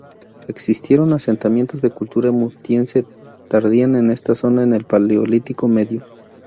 Existieron asentamientos de cultura musteriense tardía en esta zona en el Paleolítico Medio.